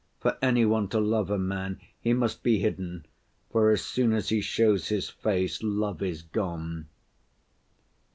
For any one to love a man, he must be hidden, for as soon as he shows his face, love is gone."